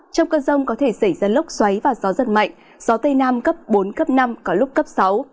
trong cơn rông có thể xảy ra lốc xoáy và gió giật mạnh gió tây nam cấp bốn cấp năm có lúc cấp sáu